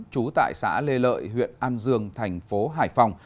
trú tại xã lê lợi huyện an dương thành phố hải phòng